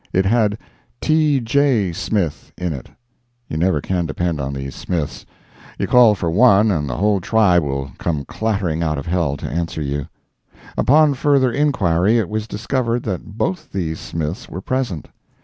It had "T. J. Smith" in it. (You never can depend on these Smiths; you call for one and the whole tribe will come clattering out of hell to answer you.) Upon further inquiry it was discovered that both these Smiths were present.